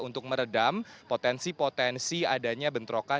untuk meredam potensi potensi adanya bentrokan